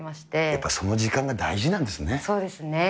やっぱその時間が大事なんでそうですね。